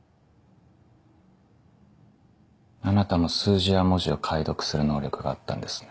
あなたも数字や文字を解読する能力があったんですね。